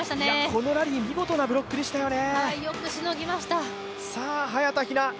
このラリー、見事なブロックでしたよね。